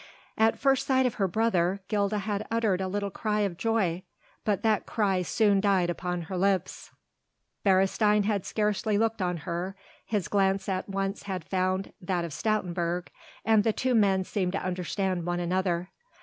At first sight of her brother Gilda had uttered a little cry of joy; but that cry soon died upon her lips. Beresteyn had scarcely looked on her, his glance at once had found that of Stoutenburg, and the two men seemed to understand one another.